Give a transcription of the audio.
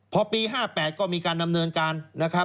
พอปี๕๘ก็มีการดำเนินกัน